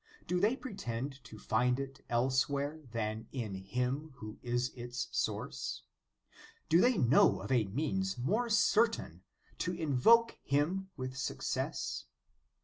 Do they pretend to find it elsewhere than in Him who is its source? Do they know of a means more certain o invoke Him with success ?